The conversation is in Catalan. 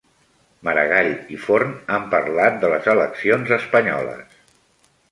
Maragall i Forn han parlat de les eleccions espanyoles